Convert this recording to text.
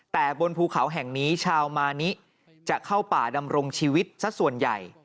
แต่บนภูเขาแห่งนี้ชาวมานิจะเข้าป่าดำรงชีวิตสักส่วนใหญ่